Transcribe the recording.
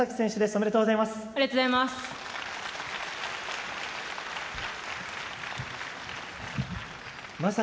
おめでとうございます。